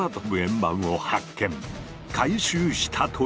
回収したというのだ！